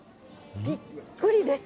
びっくりです。